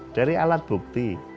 dari alat bukti